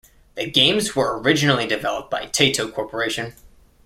The games were originally developed by Taito Corporation.